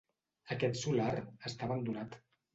Aquest solar està abandonat.